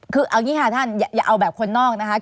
คือเอาอย่างนี้ค่ะท่านอย่าเอาแบบคนนอกนะคะ